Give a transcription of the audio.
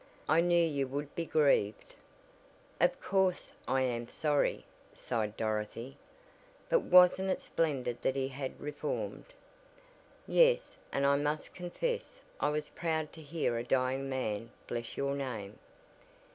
I knew you would be grieved." "Of course I am sorry " sighed Dorothy, "but wasn't it splendid that he had reformed!" "Yes, and I must confess I was proud to hear a dying man bless your name.